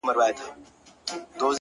له هرې ميکدې په خدای پامان وځي!